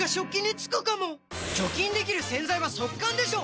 除菌できる洗剤は速乾でしょ！